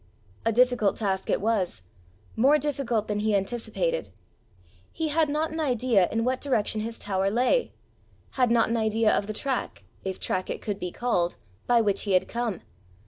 A difficult task it was more difficult than he anticipated. He had not an idea in what direction his tower lay had not an idea of the track, if track it could be called, by which he had come.